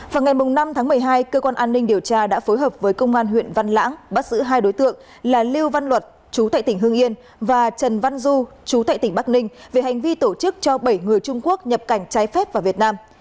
vào ngày năm tháng một mươi hai cơ quan an ninh điều tra đã phối hợp với công an huyện văn lãng bắt giữ hai đối tượng là lưu văn luật chú tại tỉnh hương yên và trần văn du chú tại tỉnh bắc ninh về hành vi tổ chức cho bảy người trung quốc nhập cảnh trái phép vào việt nam